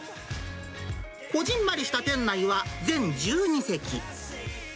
こぢんまりした店内は全１２席。